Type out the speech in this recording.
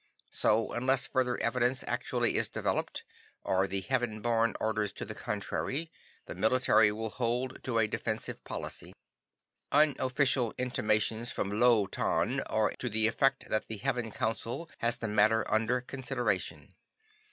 So unless further evidence actually is developed, or the Heaven Born orders to the contrary, the Military will hold to a defensive policy. "Unofficial intimations from Lo Tan are to the effect that the Heaven Council has the matter under consideration.